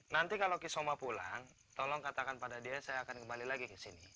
nanti kalau kisoma pulang tolong katakan pada dia saya akan kembali lagi ke sini